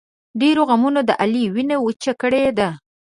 ډېرو غمونو د علي وینه وچه کړې ده.